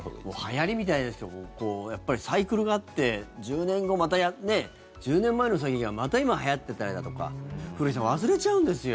はやりみたいですけどやっぱりサイクルがあって１０年後また、１０年前の詐欺がまた今、はやっていたりだとか古市さん、忘れちゃうんですよ。